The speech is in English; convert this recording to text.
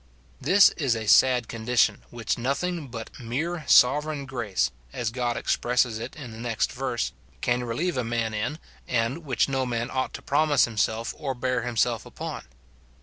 This is a sad condition, which nothing but mere sovereign grace (as God expresses it in the next verse) can relieve a man in, and which no man ought to promise himself or bear himself upon.